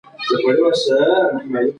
زه هره غرمه لږ وخت په پارک کې تېروم.